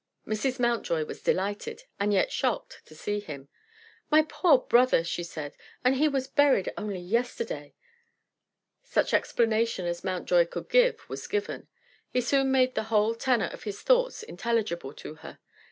Mrs. Mountjoy was delighted, and yet shocked, to see him. "My poor brother!" she said; "and he was buried only yesterday!" Such explanation as Mountjoy could give was given. He soon made the whole tenor of his thoughts intelligible to her.